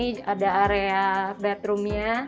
ini juga kita pengennya supaya tadi terlihat inside outsidenya itu